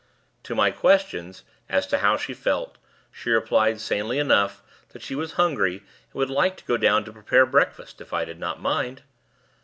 To my questions, as to how she felt, she replied, sanely enough, that she was hungry, and would like to go down to prepare breakfast, if I did not mind.